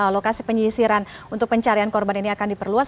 lokasi penyisiran untuk pencarian korban ini akan diperluas